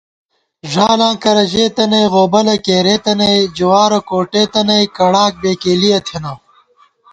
ݫالاں کرہ ژېتہ نئ غوبلَہ کېرېتہ نئ جوارَہ کوٹېتہ نئ کڑاک بېکېلِیَہ تھنہ